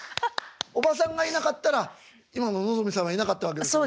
おばさんがいなかったら今の望海さんはいなかったわけですもんね。